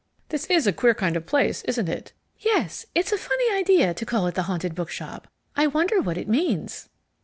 "This is a queer kind of place, isn't it?" "Yes, it's a funny idea to call it the Haunted Bookshop. I wonder what it means."